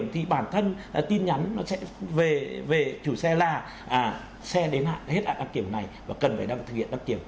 thì bản thân tin nhắn nó sẽ về chủ xe là xe đến hết các kiểm này và cần phải thực hiện các kiểm